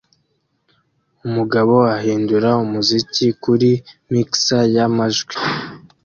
Umugabo ahindura umuziki kuri mixer ya majwi